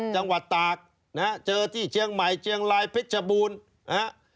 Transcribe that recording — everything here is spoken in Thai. จังหวัดตากเจอที่เชียงใหม่เจียงรายเพชรบูรณ์